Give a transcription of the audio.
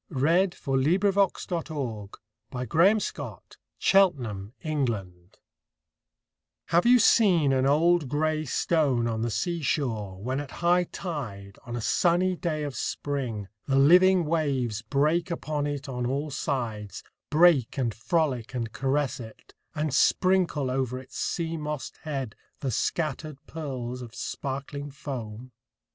Dec, 1878. 304 POEMS IN PROSE n [1879 1882] THE STONE Have you seen an old grey stone on the sea shore, when at high tide, on a sunny day of spring, the living waves break upon it on all sides — break and frolic and caress it — and sprinkle over its sea mossed head the scattered pearls of sparkling foam